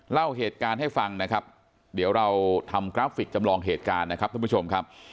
เล่าเหตุการณ์ให้ฟังนะครับเดี๋ยวเราทำกราฟิกจำลองเหตุการณ์นะครับท่านผู้ชมครับ